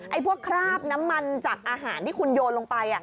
พวกคราบน้ำมันจากอาหารที่คุณโยนลงไป